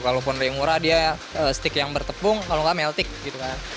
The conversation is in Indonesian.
kalaupun dari yang murah dia steak yang bertepung kalau enggak meltik gitu kan